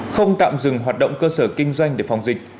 không tạm dừng hoạt động cơ sở kinh doanh để phòng dịch